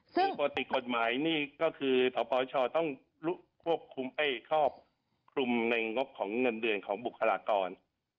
ปกติกฎหมายนี่ก็คือสปสชต้องคลุมในงบของเงินเดือนของบุคลากร